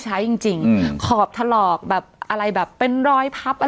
จริงจริงอืมขอบถลอกแบบอะไรแบบเป็นรอยพับอะไร